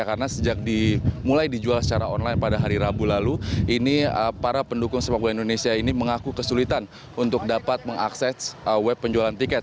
karena sejak mulai dijual secara online pada hari rabu lalu para pendukung sepak bola indonesia ini mengaku kesulitan untuk dapat mengakses web penjualan tiket